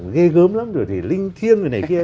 ghê gớm lắm rồi thì linh thiêng rồi này kia